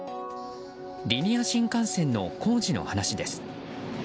リニア新幹線の工事の話です。